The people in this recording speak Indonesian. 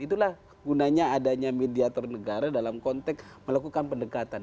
itulah gunanya adanya mediator negara dalam konteks melakukan pendekatan